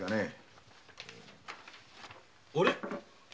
あれ？